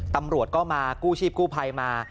ตำรวจก็มากู้ชีพกู้ภัยมา